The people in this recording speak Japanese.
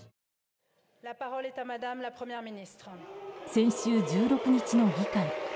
先週１６日の議会。